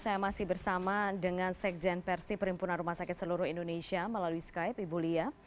saya masih bersama dengan sekjen persi perhimpunan rumah sakit seluruh indonesia melalui skype ibu lia